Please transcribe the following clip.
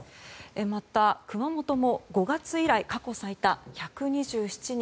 また熊本も５月以来過去最多１２７人。